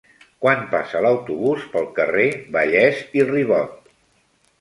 Quan passa l'autobús pel carrer Vallès i Ribot?